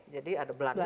jadi ada belandanya